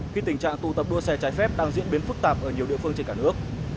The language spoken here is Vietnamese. khi tình trạng tụ tập đua xe trái phép đang diễn biến phức tạp ở nhiều địa phương trên cả nước